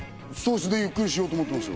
ゆっくりしようと思ってますよ。